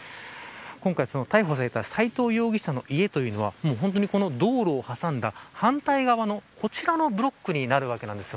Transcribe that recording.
今回逮捕された斎藤容疑者の家というのは本当に、この道路を挟んだ反対側のこちらのブロックになるわけなんです。